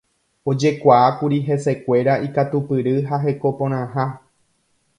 Ojekuaákuri hesekuéra ikatupyry ha hekoporãha.